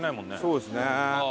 そうですね。